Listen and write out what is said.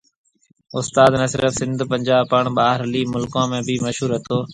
استاد ني صرف سنڌ، پنجاب، پڻ ٻاھرلي مُلڪون ۾ بِي مشھور ھتو